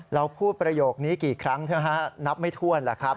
เราพูดประโยคนี้กี่ครั้งเถอะฮะนับไม่ถ้วนแหละครับ